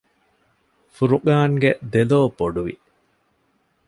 ފުރުޤާންގެ ދެލޯ ބޮޑުވި